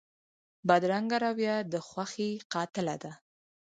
بدرنګه رویه د خوښۍ قاتله ده